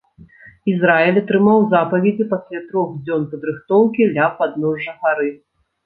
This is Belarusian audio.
Ізраіль атрымаў запаведзі пасля трох дзён падрыхтоўкі ля падножжа гары.